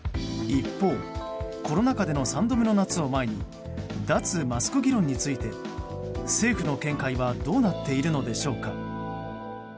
一方、コロナ禍での３度目の夏を前に脱マスク議論について政府の見解はどうなっているのでしょうか。